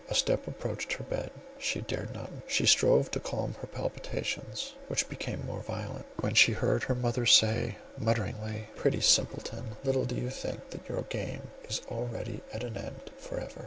A step approached her bed, she dared not move, she strove to calm her palpitations, which became more violent, when she heard her mother say mutteringly, "Pretty simpleton, little do you think that your game is already at an end for ever."